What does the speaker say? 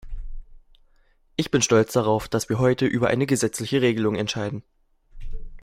Ich bin stolz darauf, dass wir heute über eine gesetzliche Regelung entscheiden.